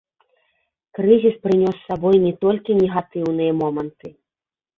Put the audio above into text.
Крызіс прынёс з сабой не толькі негатыўныя моманты.